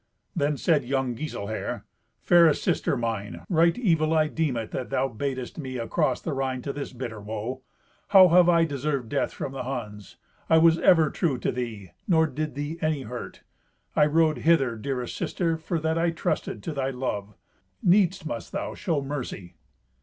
Then said young Giselher, "Fairest sister mine, right evil I deem it that thou badest me across the Rhine to this bitter woe. How have I deserved death from the Huns? I was ever true to thee, nor did thee any hurt. I rode hither, dearest sister, for that I trusted to thy love. Needs must thou show mercy."